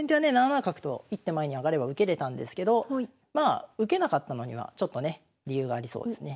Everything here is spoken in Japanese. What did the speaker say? ７七角と１手前に上がれば受けれたんですけど受けなかったのにはちょっとね理由がありそうですね。